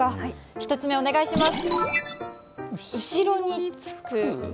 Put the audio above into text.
１つ目をお願いします。